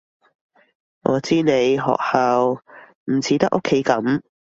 我知你學校唔似得屋企噉